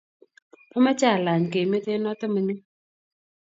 Ameche alany keimete noto mining